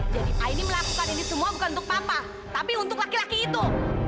jadi aini melakukan ini semua bukan untuk papa tapi untuk laki laki itu